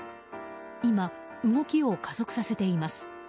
今、動きを加速させています。